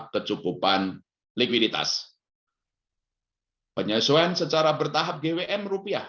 kecukupan likuiditas penyesuaian secara bertahap gwm